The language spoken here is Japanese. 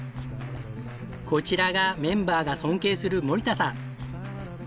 こちらがメンバーが尊敬する森田さん。